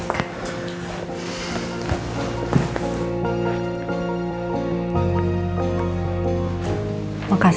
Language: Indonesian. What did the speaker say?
kayak panco brains